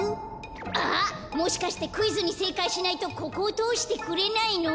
あっもしかしてクイズにせいかいしないとここをとおしてくれないの？